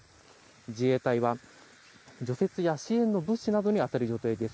自衛隊は除雪や支援の物資などに当たる予定です。